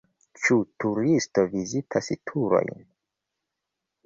Ĉu turisto vizitas turojn?